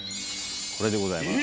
これでございます。